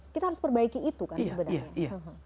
kita harus perbaiki itu kan sebenarnya